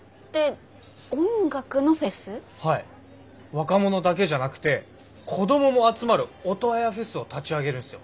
若者だけじゃなくて子どもも集まるオトワヤフェスを立ち上げるんすよ。